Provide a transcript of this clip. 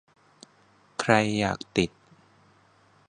ใครอยากติด